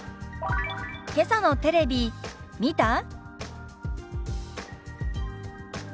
「けさのテレビ見た？」。